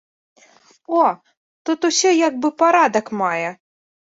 О, тут усё як бы парадак мае.